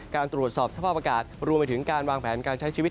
การตรวจสอบสภาพอากาศรวมไปถึงการวางแผนการใช้ชีวิต